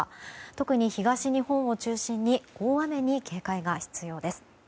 特に東日本を中心に大雨に警戒が必要です。